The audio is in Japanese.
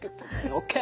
「ＯＫ！